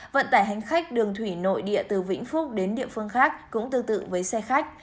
vận tải hành khách đường thủy nội địa từ vĩnh phúc đến địa phương khác cũng tương tự với xe khách